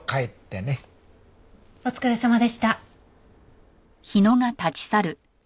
お疲れさまでした。